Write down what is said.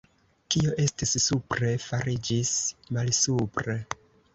Kio estis supre, fariĝis malsupre!